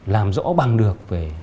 làm rõ bằng được về